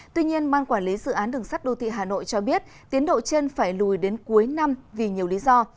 tuy nhiên ban quản lý dự án đường sắt đô thị hà nội cho biết tiến độ trên phải lùi đến cuối năm vì nhiều lý do